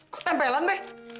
kok tempelan be